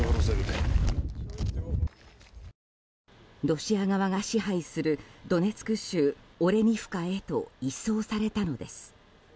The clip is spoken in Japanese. ロシア側が支配するドネツク州オレニフカへと移送されたのです。